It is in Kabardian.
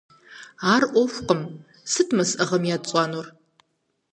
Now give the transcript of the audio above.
Ар Ӏуэхукъым, сыт мы сӀыгъым етщӀэнур?